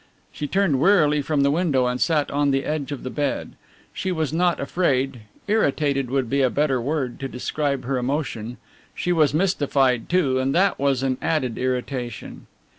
She turned wearily from the window and sat on the edge of the bed. She was not afraid irritated would be a better word to describe her emotion. She was mystified, too, and that was an added irritation.